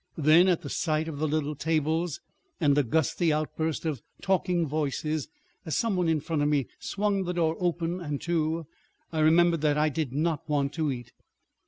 Then at the sight of the little tables, and a gusty outburst of talking voices as some one in front of me swung the door open and to, I remembered that I did not want to eat.